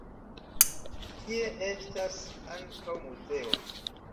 Tie estas ankaŭ muzeo.